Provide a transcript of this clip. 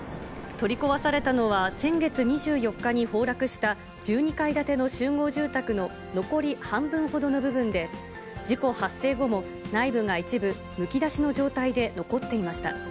取り壊されたのは、先月２４日に崩落した、１２階建ての集合住宅の残り半分ほどの部分で、事故発生後も内部が一部、むき出しの状態で残っていました。